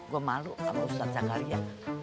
gua malu sama ustadz sakarya